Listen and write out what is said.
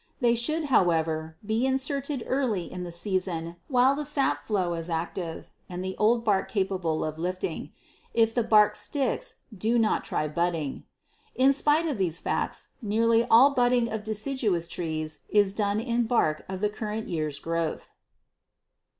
They should, however, be inserted early in the season while the sap flow is active and the old bark capable of lifting; if the bark sticks, do not try budding. In spite of these facts, nearly all budding of deciduous trees is done in bark of the current year's growth.